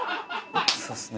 そうっすね。